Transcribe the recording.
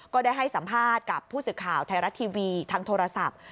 ก็ได้ให้สัมภาษณ์กับผู้สื่อข่าวไทยรัฐทีวีทางโทรศัพท์